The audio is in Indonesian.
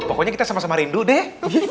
pokoknya kita sama sama rindu deh